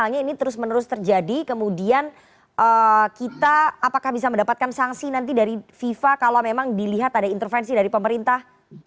misalnya ini terus menerus terjadi kemudian kita apakah bisa mendapatkan sanksi nanti dari fifa kalau memang dilihat ada intervensi dari pemerintah